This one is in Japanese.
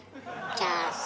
じゃあさ。